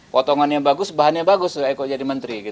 potongannya bagus bahannya bagus eko jadi menteri